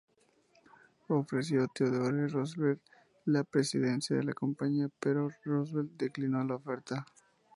Ofreció a Theodore Roosevelt la presidencia de la compañía, pero Roosevelt declinó la oferta.